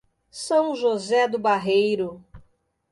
São José do Barreiro